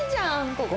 ここ。